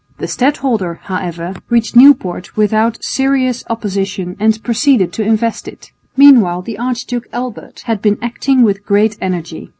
The stadholder, however, reached Nieuport without serious opposition and proceeded to invest it. Meanwhile the Archduke Albert had been acting with great energy.